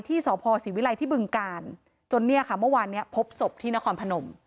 ที่สพศรีวิลัยที่บึงกาลจนเนี่ยค่ะเมื่อวานเนี้ยพบศพที่นครพนม